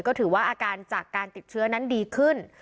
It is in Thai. ก็ถือว่าอาการจากการติดเชื้อนั้นดีขึ้น